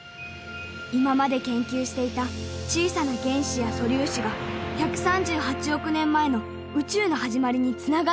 「今まで研究していた小さな原子や素粒子は１３８億年前の宇宙の始まりにつながっているんだ！」。